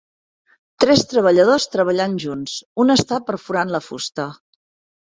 tres treballadors treballant junts, un està perforant la fusta.